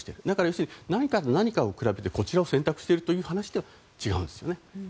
だから、何かと何かを比べてこちらを選択しているという話は違うんです。